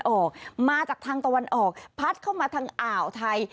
ออกมาจากทางตะวันออกพัดเข้ามาทางอ่าวไทย